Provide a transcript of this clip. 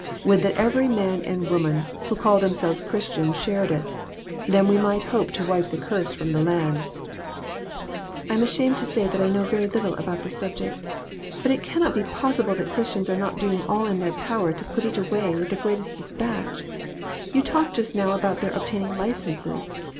Would that every man and woman who call themselves Christians shared it. Then we might hope to wipe the curse from the land." " I am ashamed to say that I know very little about the subject; but it cannot be possible that Christians are not doing all in their power to put it away with the greatest despatch. You talked just now about their obtaining licenses.